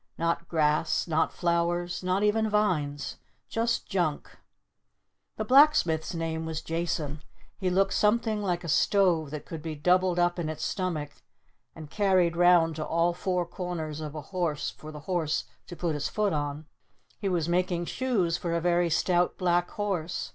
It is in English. Not grass. Not flowers. Not even vines. Just Junk! The Blacksmith's name was Jason. He looked something like a Stove that could be doubled up in its stomach and carried round to all four corners of a horse for the horse to put his foot on. He was making shoes for a very stout black horse.